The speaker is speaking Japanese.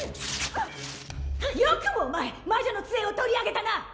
よくもお前魔女の杖を取り上げたな！